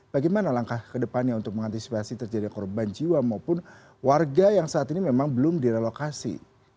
bagaimana langkah ke depannya untuk mengantisipasi terjadinya korban jiwa maupun warga yang saat ini memang belum direlokasi